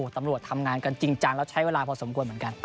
ตำรวจทำงานกันจริงจังแล้วใช้เวลาพอสมควรเหมือนกัน